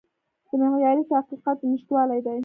د معیاري تحقیقاتو نشتوالی دی.